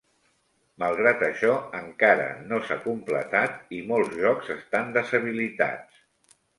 Malgrat això, encara no s"ha completat i molt jocs estan deshabilitats.